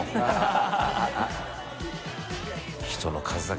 ハハハ